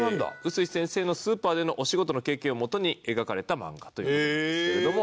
臼井先生のスーパーでのお仕事の経験をもとに描かれた漫画という事なんですけれども。